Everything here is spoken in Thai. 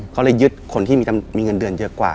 เขาเลยยึดคนที่มีเงินเดือนเยอะกว่า